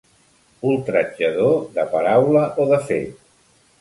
Ultratjador, de paraula o de fet.